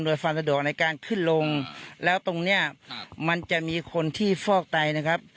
โดยความสะดวกในการขึ้นลงแล้วตรงเนี้ยมันจะมีคนที่ฟอกไตนะครับ